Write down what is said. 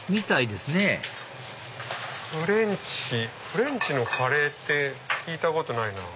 フレンチのカレーって聞いたことないな。